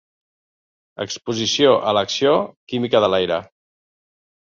Exposició a l'acció química de l'aire.